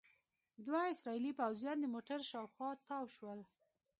دوه اسرائیلي پوځیان د موټر شاوخوا تاو شول.